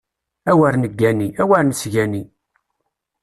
Awer neggani, awer nesgani!